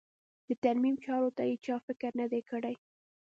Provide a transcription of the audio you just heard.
د ترمیم چارو ته یې چا فکر نه دی کړی.